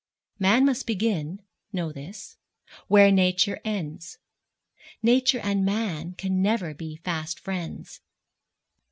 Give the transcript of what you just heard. Man must begin, know this, where Nature ends; Nature and man can never be fast friends.